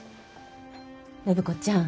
暢子ちゃん